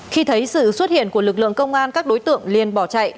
khi thấy sự xuất hiện của lực lượng công an các đối tượng liên bỏ chạy